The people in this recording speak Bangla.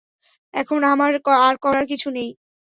এখন আমার আর করার কিছুই নেই।